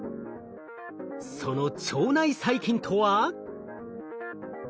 その腸内細菌とは。